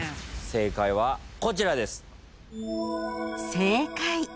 正解はこちらです。